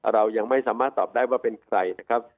เรายังไม่สามารถตอบได้ว่าเป็นใครนะครับ